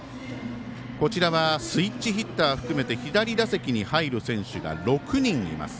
こちらはスイッチヒッター含めて左打席に入る選手が６人います。